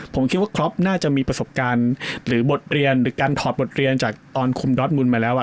ผมคิดว่าครอปน่าจะมีประสบการณ์หรือบทเรียนหรือการถอดบทเรียนจากตอนคุมดอสมุนมาแล้ว